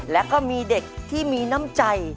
และก็มีเด็กที่มีน้ำใจ